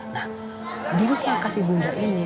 nah dulu setelah kasih bunda ini